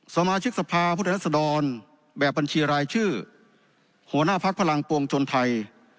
สมาชิกสภาพุทธรัศดรแบบบัญชีรายชื่อหัวหน้าพักพลังปวงชนไทย